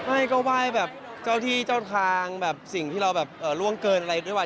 ไม่ก็ไหว้แบบเจ้าที่เจ้าทางแบบสิ่งที่เราแบบล่วงเกินอะไรด้วยไว้